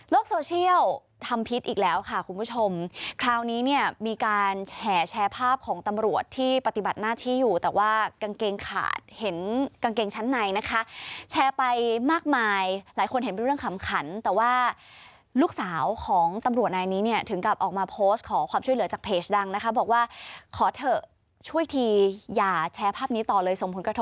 โซเชียลทำพิษอีกแล้วค่ะคุณผู้ชมคราวนี้เนี่ยมีการแห่แชร์ภาพของตำรวจที่ปฏิบัติหน้าที่อยู่แต่ว่ากางเกงขาดเห็นกางเกงชั้นในนะคะแชร์ไปมากมายหลายคนเห็นเป็นเรื่องขำขันแต่ว่าลูกสาวของตำรวจนายนี้เนี่ยถึงกับออกมาโพสต์ขอความช่วยเหลือจากเพจดังนะคะบอกว่าขอเถอะช่วยทีอย่าแชร์ภาพนี้ต่อเลยส่งผลกระทบ